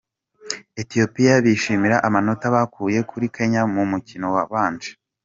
Ethiopia bishimira amanota bakuye kuri Kenya mu mukino wabanje